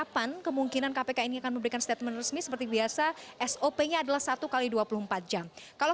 kapan kemungkinan kpk ini akan memberikan statement resmi seperti biasa sop nya adalah satu x dua puluh empat jam kalau